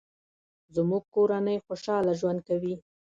زموږ کورنۍ خوشحاله ژوند کوي